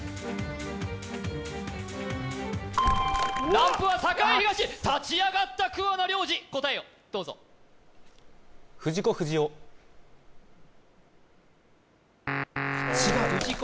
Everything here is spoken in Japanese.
ランプは栄東立ち上がった桑名良治答えをどうぞ藤子不二雄藤子